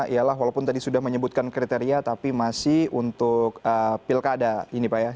ialah walaupun tadi sudah menyebutkan kriteria tapi masih untuk pilkada ini pak ya